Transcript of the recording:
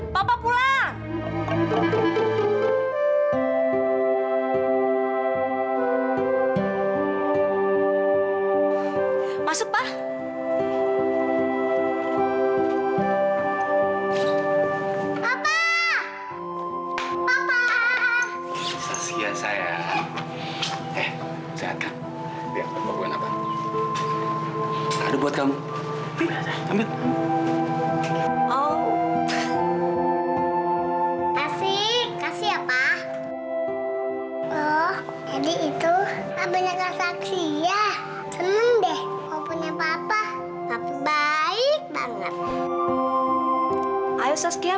papa saskia ke dalam dulu ya